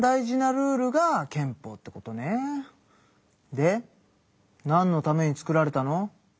でなんのために作られたの？